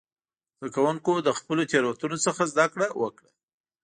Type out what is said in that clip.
زده کوونکو د خپلو تېروتنو څخه زده کړه وکړه.